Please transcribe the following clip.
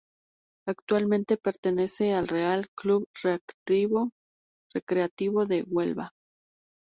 Actualmente pertenece al Real Club Recreativo de Huelva.